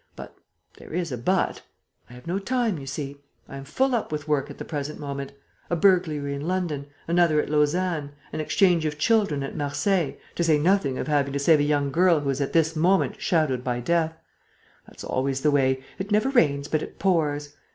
But there is a 'but' I have no time, you see. I am full up with work at the present moment: a burglary in London, another at Lausanne, an exchange of children at Marseilles, to say nothing of having to save a young girl who is at this moment shadowed by death. That's always the way: it never rains but it pours.